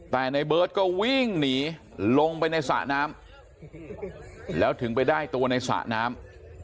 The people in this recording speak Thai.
แต่ในเบิร์ตก็วิ่งหนีลงไปในสระน้ำแล้วถึงไปได้ตัวในสระน้ำ